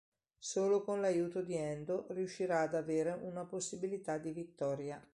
Solo con l'aiuto di Endo riuscirà ad avere una possibilità di vittoria.